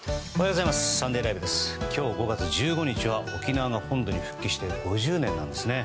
今日５月１５日は沖縄が本土に復帰して５０年なんですね。